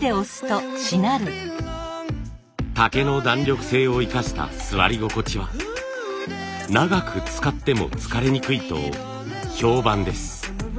竹の弾力性を生かした座り心地は長く使っても疲れにくいと評判です。